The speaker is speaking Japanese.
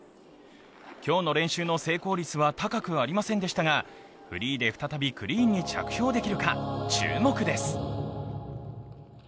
今日の練習の成功率は高くありませんでしたがフリーで再びクリーンに着氷できるか、注目です。